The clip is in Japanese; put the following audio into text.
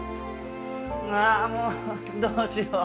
ああもうどうしよう。